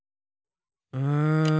うん。